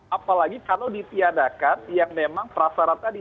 apalagi kalau ditiadakan yang memang prasarat tadi